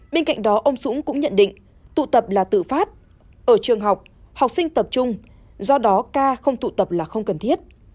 bên cạnh đó ông dũng cũng nhận định tụ tập là tự phát ở trường học học sinh tập trung do đó ca không tụ tập là không cần thiết